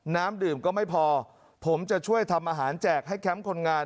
น้ำดื่มก็ไม่พอผมจะช่วยทำอาหารแจกให้แคมป์คนงาน